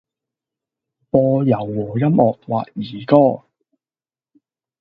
播柔和音樂或兒歌